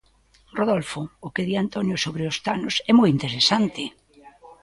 Rodolfo: O que di Antonio sobre os tanos é moi interesante.